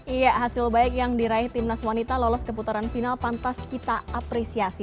iya hasil baik yang diraih timnas wanita lolos keputaran final pantas kita apresiasi